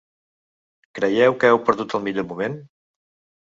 Creieu que heu perdut el millor moment?